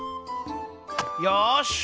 よし！